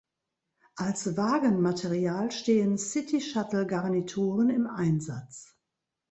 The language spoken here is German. Als Wagenmaterial stehen City-Shuttle-Garnituren im Einsatz.